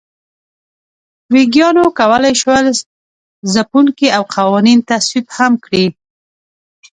ویګیانو کولای شول ځپونکي او قوانین تصویب هم کړي.